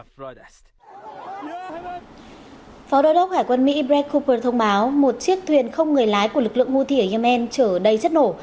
phó đối đốc hải quân mỹ brett cooper thông báo một chiếc thuyền không người lái của lực lượng mưu thị ở yemen trở đầy chất nổ